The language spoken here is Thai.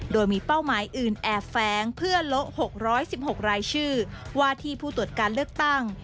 โดยมีเป้าหมายอื่นแอบแฟ้งเพื่อโละ๖๑๖รายชื่อว่าที่ผู้ตรวจการเลือกตั้ง